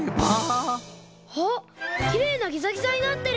あっきれいなギザギザになってる！